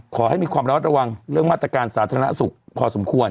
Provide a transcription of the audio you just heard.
ขอให้มีความระมัดระวังเรื่องมาตรการสาธารณสุขพอสมควร